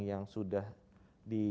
yang sudah di